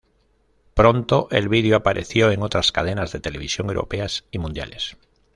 Pronto, el video apareció en otras cadenas de televisión europeas y mundiales.